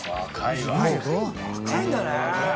「若いんだね」